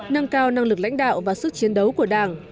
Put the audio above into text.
nâng cao năng lực lãnh đạo và sức chiến đấu của đảng